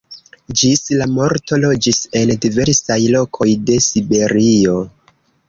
Ĝis la morto loĝis en diversaj lokoj de Siberio.